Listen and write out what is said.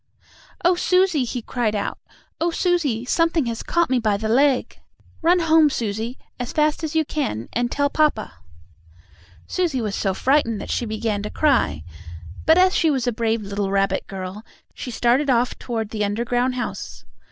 "Oh, Susie!" he cried out. "Oh, Susie! Something has caught me by the leg! Run home, Susie, as fast as you can, and tell papa!" Susie was so frightened that she began to cry, but, as she was a brave little rabbit girl, she started off toward the underground house.